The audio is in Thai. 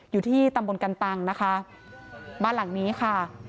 อยู่ที่ตำบลกันตังนะคะบ้านหลังนี้ค่ะ